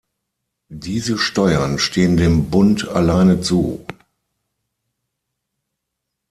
Diese Steuern stehen dem Bund alleine zu.